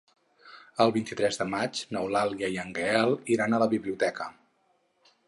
El vint-i-tres de maig n'Eulàlia i en Gaël iran a la biblioteca.